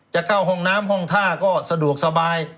จะเข้าห้องน้ำห้องท่าก็สะดวกสบาย